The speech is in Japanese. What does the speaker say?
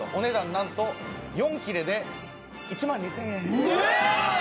なんと４切れで１万２０００円。